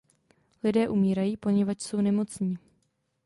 Lidé umírají, poněvadž jsou nemocní.